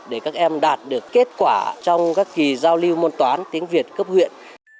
để các em đạt được kết quả trong các kỳ giao lưu môn toán tiếng việt cấp huyện